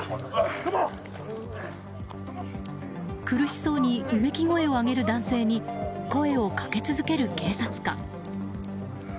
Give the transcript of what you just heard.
苦しそうにうめき声を上げる男性に声をかけ続ける警察官。